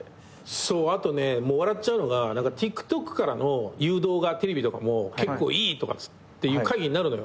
そうあとねもう笑っちゃうのがＴｉｋＴｏｋからの誘導がテレビとかも結構いいとかっていう会議になるのよ。